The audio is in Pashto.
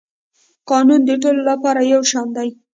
قانون د ټولو لپاره یو شان دی